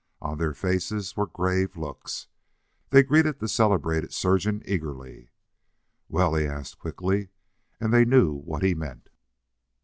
On their faces were grave looks. They greeted the celebrated surgeon eagerly. "Well?" he asked quickly, and they knew what he meant.